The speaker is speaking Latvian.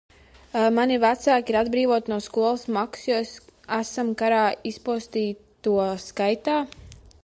Mani vecāki ir atbrīvoti no skolas maksas, jo esam karā izpostīto skaitā.